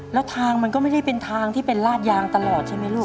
แล้วทางมันก็ไม่ได้เป็นทางที่เป็นลาดยางตลอดใช่ไหมลูก